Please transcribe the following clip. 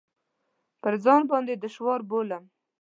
پر ځان باندې دشوار بولو.